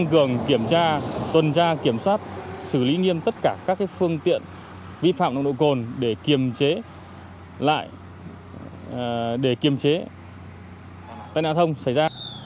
tăng cường kiểm tra tuần tra kiểm soát xử lý nghiêm tất cả các phương tiện vi phạm nồng độ cồn để kiềm chế tai nạn an thông xảy ra